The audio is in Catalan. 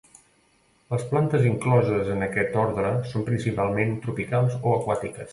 Les plantes incloses en aquest ordre són principalment tropicals o aquàtiques.